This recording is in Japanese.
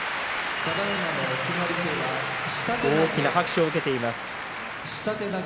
拍手大きな拍手を受けています。